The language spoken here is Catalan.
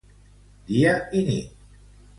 Dia i nit.